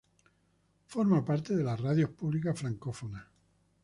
Forma parte de las Radios públicas francófonas.